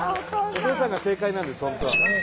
お父さんが正解なんです本当は。